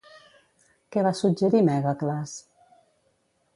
Què va suggerir Mègacles?